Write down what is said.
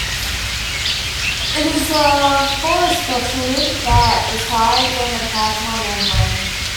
It is a phospholipid that resides on the plasma membrane.